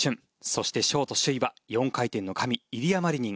そしてショート首位は４回転の神イリア・マリニン。